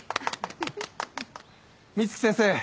美月先生